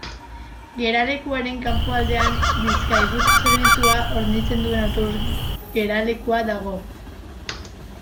Geralekuaren kanpoaldean Bizkaibus zerbitzua hornitzen duen autobus geralekua dago.